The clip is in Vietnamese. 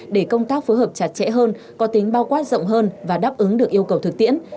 để công tác phối hợp chặt chẽ hơn có tính bao quát rộng hơn và đáp ứng được yêu cầu thực tiễn